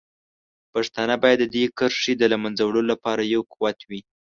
پښتانه باید د دې کرښې د له منځه وړلو لپاره یو قوت وي.